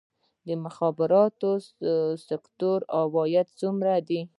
د مخابراتي سکتور عاید څومره دی؟